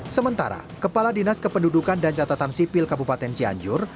sementara kepala dinas kependudukan dan catatan sipil kabupaten cianjur